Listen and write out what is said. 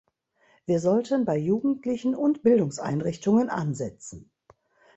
Wir sollten bei Jugendlichen und Bildungseinrichtungen ansetzen.